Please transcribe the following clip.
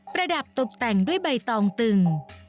ระดับตกแต่งด้วยใบตองตึง